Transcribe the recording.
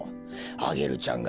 アゲルちゃんが！